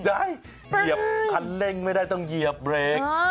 เหยียบคันเร่งไม่ได้ต้องเหยียบเบรก